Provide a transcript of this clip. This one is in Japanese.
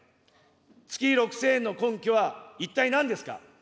月６０００円の根拠は一体なんですか。